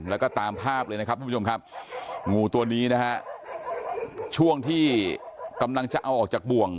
และก็ตามภาพเลยนะครับนี้และช่วงที่กำลังจะเอาออกจากบวง